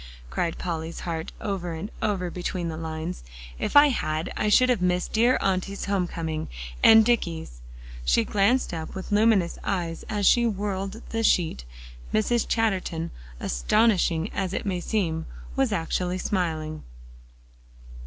cried Polly's heart over and over between the lines. "If I had, I should have missed dear Auntie's home coming, and Dicky's." She glanced up with luminous eyes as she whirled the sheet. Mrs. Chatterton, astonishing as it may seem, was actually smiling.